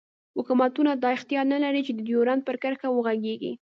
حوکمتونه دا اختیار نه لری چی د ډیورنډ پر کرښه وغږیږی